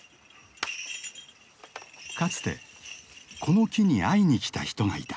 かつてこの木に会いにきた人がいた。